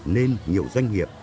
nên nhiều doanh nghiệp